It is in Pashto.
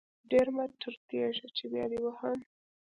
ډير مه ټرتيږه چې بيا دې وهم.